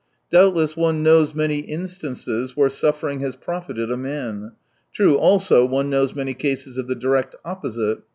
Doubtless one knows many instances where suffering has profited a man. True also, one knows many cases of the direct opposite.